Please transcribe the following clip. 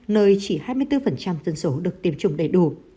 nơi chỉ hai mươi bốn dân số được tiêm chủng đầy đủ